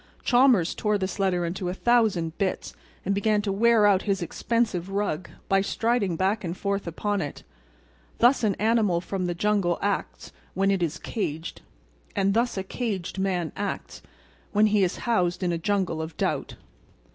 Chalmers tore this letter into a thousand bits and began to wear out his expensive rug by striding back and forth upon it. Thus an animal from the jungle acts when it is caged, and thus a caged man acts when he is housed in a jungle of doubt.